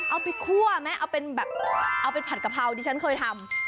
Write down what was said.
เอาไปคั่วไหมเอาเป็นแบบเอาไปผัดกะเพราดิฉันเคยทำ